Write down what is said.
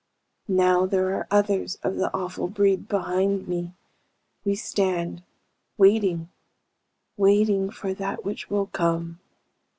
"Now there are others of the awful breed behind me. We stand, waiting, waiting for that which will come.